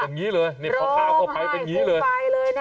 เป็นงี้เลยพอเต้าก้าวเข้าไปเป็นงี้เลย